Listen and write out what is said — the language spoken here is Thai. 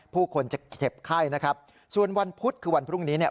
ผู้คนจะเจ็บไข้นะครับส่วนวันพุธคือวันพรุ่งนี้เนี่ย